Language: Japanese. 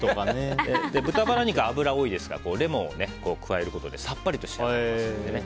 豚バラ肉、脂多いですからレモンを加えることでさっぱりと仕上がりますので。